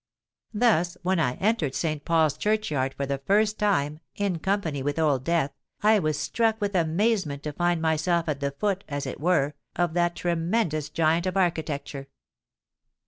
Thus, when I entered Saint Paul's Churchyard for the first time, in company with Old Death, I was struck with amazement to find myself at the foot, as it were, of that tremendous giant of architecture.